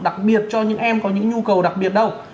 đặc biệt cho những em có những nhu cầu đặc biệt đâu